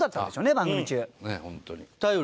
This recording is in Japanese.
番組中。